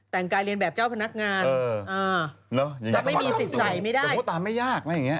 แต่งกายเรียนแบบเจ้าพนักงานแต่ไม่มีสิทธิใสไม่ได้